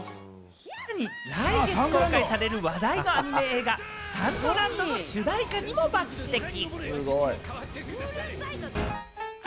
さらに来月公開される話題のアニメ映画『ＳＡＮＤＬＡＮＤ』の主題歌にも抜てき。